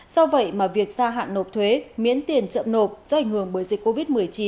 do vậy mà việc gia hạn nộp thuế miễn tiền chậm nộp do ảnh hưởng bởi dịch covid một mươi chín